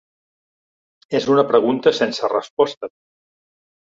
És una pregunta sense resposta.